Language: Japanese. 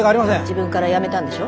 自分から辞めたんでしょ？